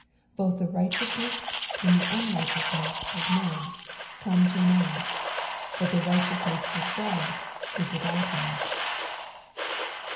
Both the righteousnesses and the unrighteousnesses of men come to an end, but the righteousness of God is without end.